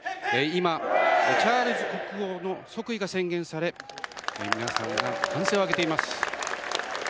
今、チャールズ国王の即位が宣言され皆さんが歓声を上げています。